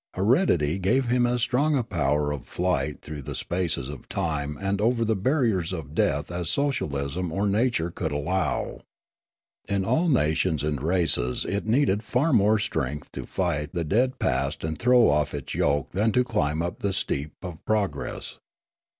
Heredity gave him as strong a power of flight through the spaces of time and over the barriers of death as socialism or nature could allow. In all nations and races it needed far more strength to fight the dead past and throw off its yoke than to climb up the steep of progress.